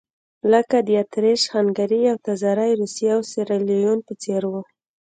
لکه د اتریش-هنګري او تزاري روسیې او سیریلیون په څېر وو.